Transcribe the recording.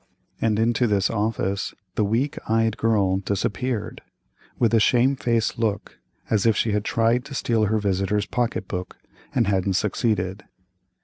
|||++ and into this "office" the weak eyed girl disappeared, with a shame faced look, as if she had tried to steal her visitor's pocket book, and hadn't succeeded.